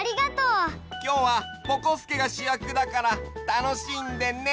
きょうはぼこすけがしゅやくだからたのしんでね。